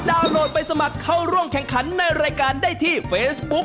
โหลดไปสมัครเข้าร่วมแข่งขันในรายการได้ที่เฟซบุ๊ก